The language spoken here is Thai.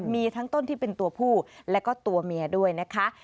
มีทั้งต้นที่เป็นตัวผู้แล้วก็ตัวเมียด้วยนะคะ